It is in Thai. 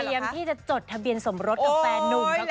เตรียมที่จะจดทะเบียนสมรสกับแฟนหนุ่มค่ะคุณ